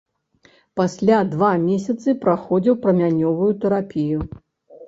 Пасля два месяцы праходзіў прамянёвую тэрапію.